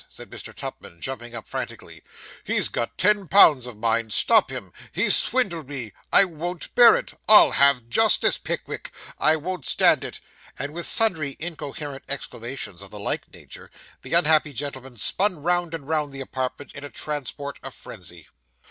said Mr. Tupman, jumping up frantically. 'He's got ten pounds of mine! stop him! he's swindled me! I won't bear it! I'll have justice, Pickwick! I won't stand it!' and with sundry incoherent exclamations of the like nature, the unhappy gentleman spun round and round the apartment, in a transport of frenzy.